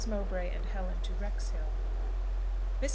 MOWBRAY AND HELEN TO WREXHILL. Mrs.